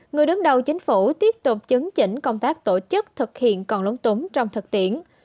người đứng đầu chính phủ tiếp tục chấn chỉnh công tác tổ chức thực hiện còn lúng túng trong thực tiễn